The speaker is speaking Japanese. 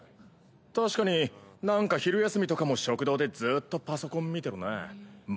確かになんか昼休みとかも食堂でずっとパソコン見てるな真顔で。